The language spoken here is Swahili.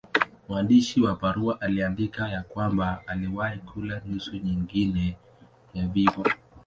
Mwandishi wa barua aliandika ya kwamba aliwahi kula nusu nyingine ya figo.